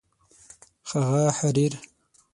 هغه حریر